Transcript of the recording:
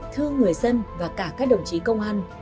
thương người dân và cả các đồng chí công an